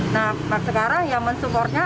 nah sekarang yang mensupportnya